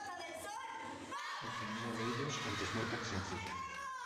El primero de ellos "Antes muerta que sencilla".